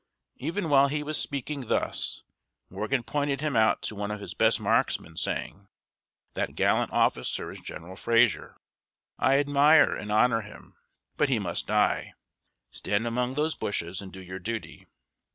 Even while he was speaking thus, Morgan pointed him out to one of his best marksmen, saying: "That gallant officer is General Fraser. I admire and honor him; but he must die. Stand among those bushes, and do your duty."